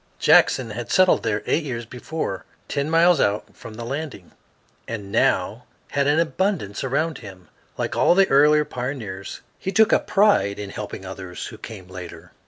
Jackson had settled there eight years before, ten miles out from the landing, and now had an abundance around him. Like all the earlier pioneers, he took a pride in helping others who came later.